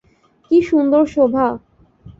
কি সুন্দর শােভা!